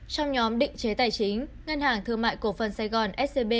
trong nhóm định chế tài chính ngân hàng thương mại cổ phần sài gòn scb